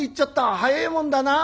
速えもんだな。